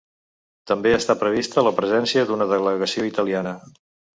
També està prevista la presència d’una delegació italiana.